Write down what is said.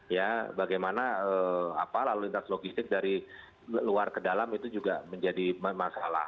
ya bagaimana lalu lintas logistik dari luar ke dalam itu juga menjadi masalah